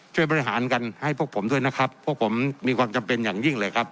ช่วยบริหารกันให้พวกผมด้วยนะครับพวกผมมีความจำเป็นอย่างยิ่งเลยครับ